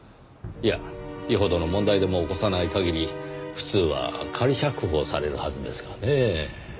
いやよほどの問題でも起こさない限り普通は仮釈放されるはずですがねぇ。